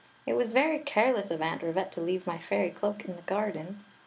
« It was very careless of Aunt Rivette to leave my fairy cloak in the garden.